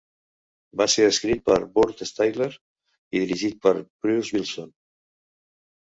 Va ser escrit per Burt Styler i dirigit per Bruce Bilson.